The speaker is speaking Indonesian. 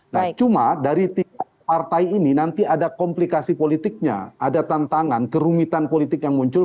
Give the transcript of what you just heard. nah cuma dari tiga partai ini nanti ada komplikasi politiknya ada tantangan kerumitan politik yang muncul